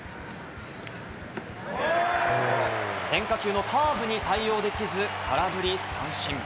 変化球のカーブに対応できず空振り三振。